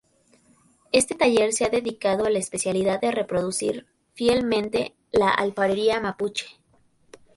Este taller se ha dedicado a la especialidad de reproducir fielmente la alfarería mapuche.